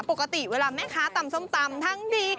ปกติเวลาแม่ค้าตำส้มตำทั้งดี